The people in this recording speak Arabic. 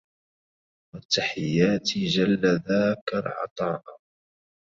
والتحياتِ جَلَّ ذاك عطاءَ